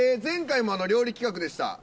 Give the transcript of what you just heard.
前回も料理企画でした。